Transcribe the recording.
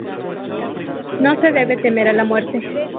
No se debe temer a la muerte.